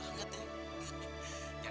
jangan takutnya neng ya